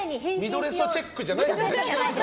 ミドレソチェックじゃないですね。